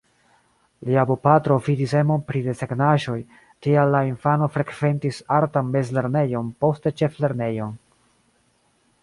Lia bopatro vidis emon pri desegnaĵoj, tial la infano frekventis artan mezlernejon, poste ĉeflernejon.